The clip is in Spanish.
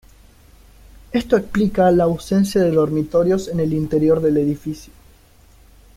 Esto explica la ausencia de dormitorios en el interior del edificio.